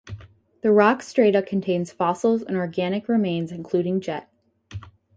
The rock strata contain fossils and organic remains including jet.